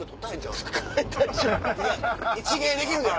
一芸できるで。